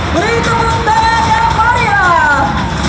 berhitung tangan yang pariah